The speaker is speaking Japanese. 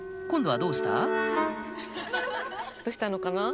今度はどうした？